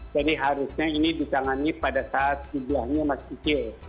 jadi harusnya ini ditangani pada saat jumlahnya masih kecil